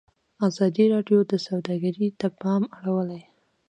ازادي راډیو د سوداګري ته پام اړولی.